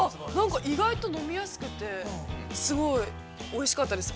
◆意外と飲みやすくて、すごいおいしかったです。